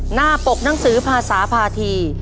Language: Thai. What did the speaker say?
หน้าปกหนังสือภาษาภาษี